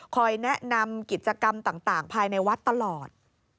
แนะนำกิจกรรมต่างภายในวัดตลอด